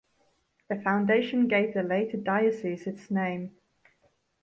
The foundation gave the later diocese its name.